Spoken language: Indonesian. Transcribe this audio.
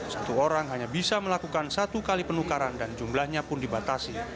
satu orang hanya bisa melakukan satu kali penukaran dan jumlahnya pun dibatasi